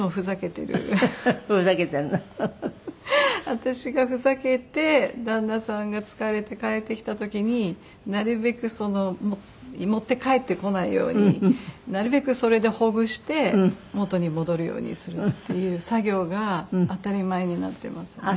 私がふざけて旦那さんが疲れて帰ってきた時になるべくその持って帰ってこないようになるべくそれでほぐして元に戻るようにするっていう作業が当たり前になってますね。